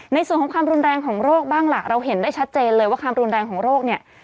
ในส่วนของความรุนแรงของโรคบ้างล่ะเราเห็นได้ชัดเจนเลยว่าความรุนแรงของโรคเนี่ย